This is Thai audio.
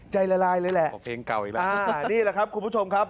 ละลายเลยแหละเพลงเก่าอีกแล้วอ่านี่แหละครับคุณผู้ชมครับ